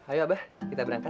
ayo abah kita berangkat